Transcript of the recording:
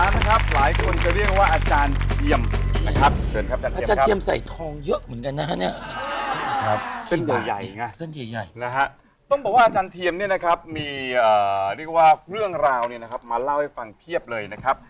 ต้องบอกว่าอาจารย์เทียมมีเรื่องราวมาเล่าให้ฟังเพียบเลยนะครับ